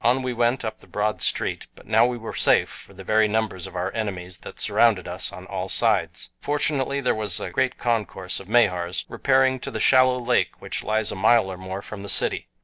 On we went up the broad street, but now we were safe for the very numbers of our enemies that surrounded us on all sides. Fortunately, there was a great concourse of Mahars repairing to the shallow lake which lies a mile or more from the city.